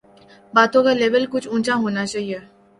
باتوں کا لیول کچھ اونچا ہونا چاہیے۔